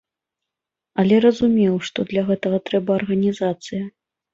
Але разумеў, што для гэтага трэба арганізацыя.